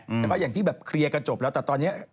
แต่ก็อย่างที่แบบเคลียร์กันจบแล้วแต่ตอนนี้